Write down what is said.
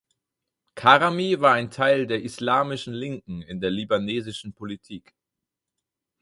Karami war ein Teil der islamischen Linken in der libanesischen Politik.